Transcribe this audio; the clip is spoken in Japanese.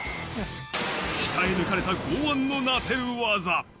鍛え抜かれた剛腕の成せる技。